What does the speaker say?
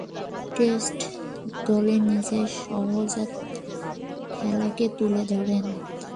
Test দলে নিজের সহজাত খেলাকে তুলে ধরেন।